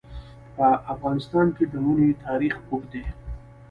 په افغانستان کې د منی تاریخ اوږد دی.